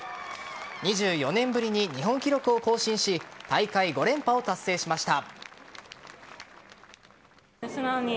２４年ぶりに日本記録を更新し大会５連覇を達成しました。